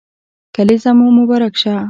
کلېزه مو مبارک شه